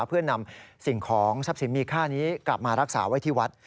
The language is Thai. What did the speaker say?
เพื่อนำสิ่งของทรัพย์สินมีค่านี้กลับมารักษาไว้ที่วัด